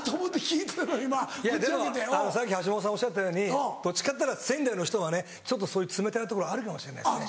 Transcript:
いやでもさっき橋本さんおっしゃったようにどっちかっていったら仙台の人はちょっとそういう冷たいところあるかもしれないですね。